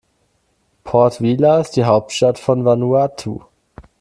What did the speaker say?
Port Vila ist die Hauptstadt von Vanuatu.